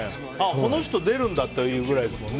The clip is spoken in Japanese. この人出るんだっていうくらいだもんね。